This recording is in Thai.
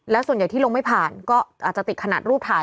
แล้วส่วนใหญ่ที่ลงไม่ผ่านก็อาจจะติดขนาดรูปถ่าย